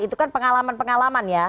itu kan pengalaman pengalaman ya